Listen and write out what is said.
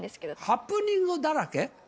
ハプニングだらけ。